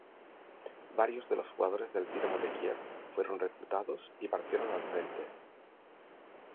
Varios de los jugadores del Dinamo de Kiev fueron reclutados y partieron al frente.